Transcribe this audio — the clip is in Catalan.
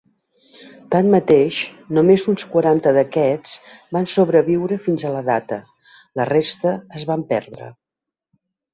Tanmateix, només uns quaranta d'aquests van sobreviure fins a la data, la resta es van perdre.